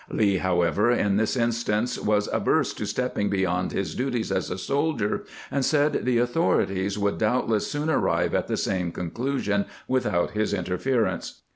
Lee, however, in this instance was averse to stepping beyond his duties as a soldier, and said the authorities would doubtless soon arrive at the same conclusion without his interference.